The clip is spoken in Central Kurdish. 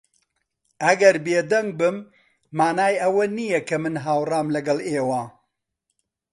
ئەگەر بێدەنگ بم، مانای ئەوە نییە کە من ھاوڕام لەگەڵ ئێوە.